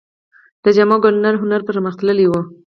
د جامو ګنډلو هنر پرمختللی و